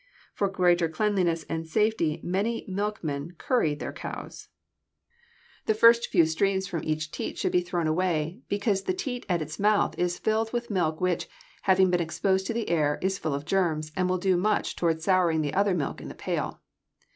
For greater cleanliness and safety many milkmen curry their cows. The first few streams from each teat should be thrown away, because the teat at its mouth is filled with milk which, having been exposed to the air, is full of germs, and will do much toward souring the other milk in the pail.